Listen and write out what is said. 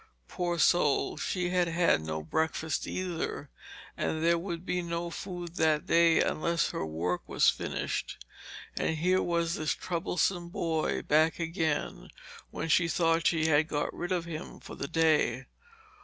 Poor soul, she had had no breakfast either, and there would be no food that day unless her work was finished. And here was this troublesome boy back again, when she thought she had got rid of him for the day.